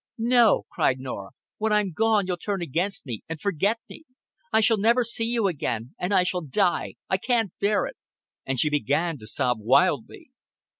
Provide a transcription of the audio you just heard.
"No," cried Norah, "when I'm gone you'll turn against me, and forget me. I shall never see you again, and I shall die. I can't bear it." And she began to sob wildly.